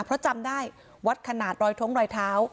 เพราะจำได้วัดขนาดรอยท้องรอยเท้า